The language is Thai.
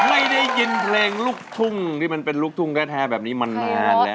เอ่อไม่ได้ยินเพลงลูกทุ้งสุดญ้าอย่างแบบนี้มานานแล้ว